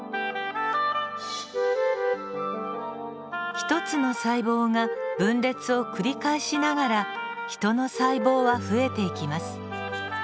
１つの細胞が分裂を繰り返しながらヒトの細胞は増えていきます。